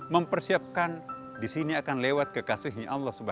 mempersiapkan disini akan lewat kekasihnya allah akan lewat